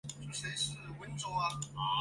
弗于斯克是挪威诺尔兰郡的一个自治市。